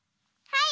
はい！